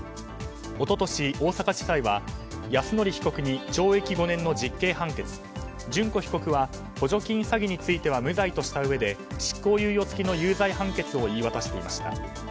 一昨年、大阪地裁は泰典被告に懲役５年の実刑判決諄子被告は補助金詐欺については無罪としたうえで執行猶予付きの有罪判決を言い渡していました。